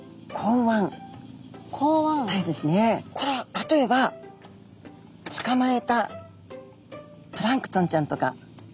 これは例えばつかまえたプランクトンちゃんとか。